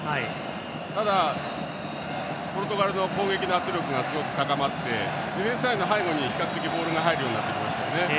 ただ、ポルトガルの攻撃の圧力が高まってディフェンスラインの背後に比較的ボールが入るようになってきましたよね。